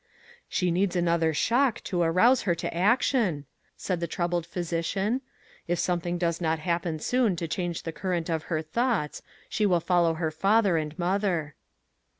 " She needs another shock to arouse her to action," said the troubled physician ;" if some thing does not happen soon to change the cur rent of her thoughts, she will follow her father and mother."